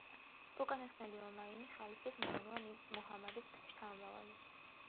უკანასკნელი ომაიანი ხალიფის მარვან იბნ მუჰამადის შთამომავალი.